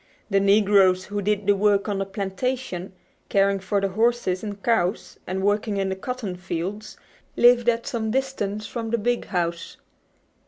The negroes who did the work on the plantation, caring for the horses and cows, and working in the cotton fields, lived at some distance from the "big" house.